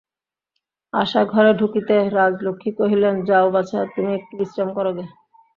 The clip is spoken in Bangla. আশা ঘরে ঢুকিতে রাজলক্ষ্মী কহিলেন, যাও বাছা, তুমি একটু বিশ্রাম করো গে।